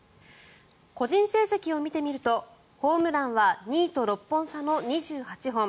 個人成績を見てみるとホームランは２位と６本差の２８本。